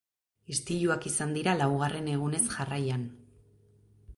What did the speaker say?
Istiluak izan dira laugarren egunez jarraian.